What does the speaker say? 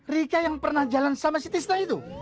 rika yang pernah jalan sama si tisna itu